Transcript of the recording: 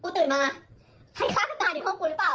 กูตื่นมาใครฆ่ากันตายอยู่ห้องกูหรือเปล่า